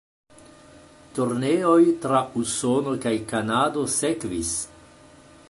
Turneoj tra Usono kaj Kanado sekvis.